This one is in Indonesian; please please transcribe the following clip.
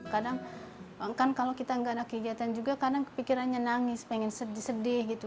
kadang kan kalau kita nggak ada kegiatan juga kadang kepikirannya nangis pengen sedih sedih gitu